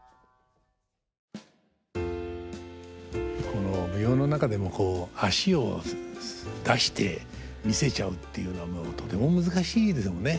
この舞踊の中でもこう脚を出して見せちゃうっていうのはとても難しいでしょうね。